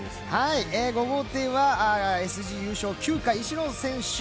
５号艇はＳＧ優勝９回、石野選手。